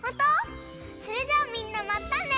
それじゃあみんなまたね！